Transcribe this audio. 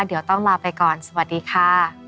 เดี๋ยวต้องลาไปก่อนสวัสดีค่ะ